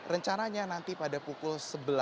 rencananya nanti pada pukul sebelas